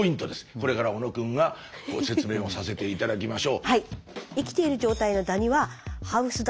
これから小野くんがご説明をさせて頂きましょう。